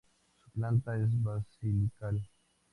Su planta es basilical.